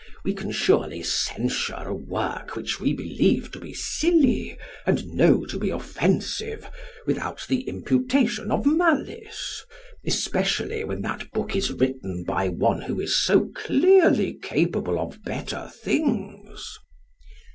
We can surely censure a work which we believe to be silly and know to be offensive, without the imputation of malice especially when that book is written by one who is so clearly capable of better things.